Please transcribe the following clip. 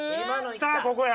さぁここや！